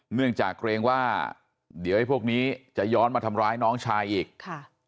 เนื่องจากเกรงว่าเดี๋ยวไอ้พวกนี้จะย้อนมาทำร้ายน้องชายอีกค่ะ